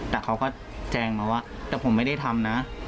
แต่เขาก็แจงมาว่าแต่ผมไม่ได้ทำนะ